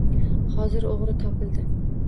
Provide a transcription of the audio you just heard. Hozir o‘g‘ri topildi